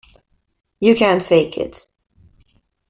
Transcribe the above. You can't fake it.